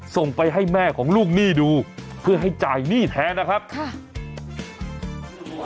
ส่งไปให้แม่ของลูกหนี้ดูเพื่อให้จ่ายหนี้แทนนะครับค่ะ